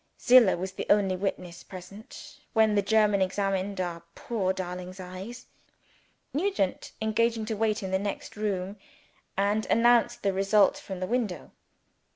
Zillah was the only witness present when the German examined our poor darling's eyes; Nugent engaging to wait in the next room and announce the result from the window.